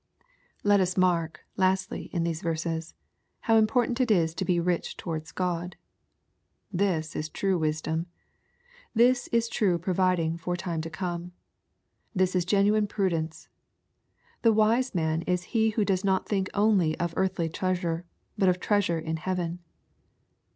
Let us mark, lastly, in these verses, how important it is to be rich towards God. This is true wisdom. This is true providing for time to come. This is genuine prudence. The wise man is he who does not think only of earthly treasure, but of treasure in heaven.